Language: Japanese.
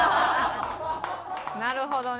なるほどね。